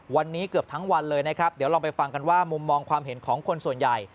วันนี้เกือบทั้งวันเลยนะครับเดี๋ยวลองไปฟังกันว่ามุมมองความเห็นของคนส่วนใหญ่